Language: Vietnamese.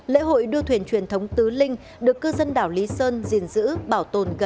lễ hội đua thuyền truyền thống tứ linh được cư dân đảo lý sơn diền giữ bảo tồn gần hai trăm linh năm qua